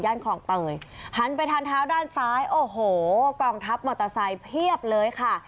คลองเตยหันไปทางเท้าด้านซ้ายโอ้โหกองทัพมอเตอร์ไซค์เพียบเลยค่ะ